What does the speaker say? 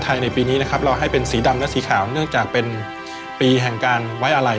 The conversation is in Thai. ชุดย่าวที่เราตั้งชื่อให้เนี่ยก็คือชัยานุภาพก็เป็นชื่อของเรานะครับ